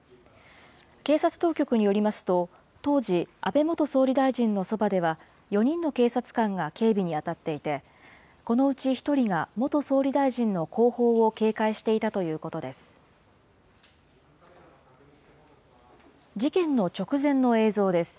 警察当局によりますと、当時、安倍元総理大臣のそばでは、４人の警察官が警備に当たっていて、このうち１人が元総理大臣の後方を警戒していたということです。